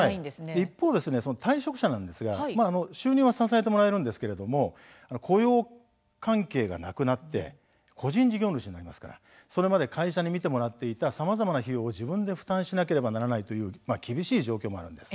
一方、退職者は収入は支えてもらえるんですが雇用関係がなくなって個人事業主になりますからそれまで会社に見てもらっていたさまざまな費用を自分で負担しなければいけないという厳しい条件があるんです。